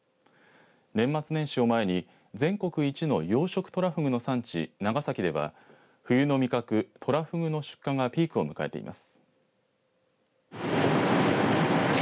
年末年始を前に全国一の養殖とらふぐの産地長崎では冬の味覚とらふぐの出荷がピークを迎えています。